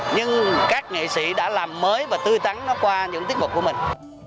nhưng các nghệ sĩ đã làm mới và tươi tắn nó qua những tiết mục của mình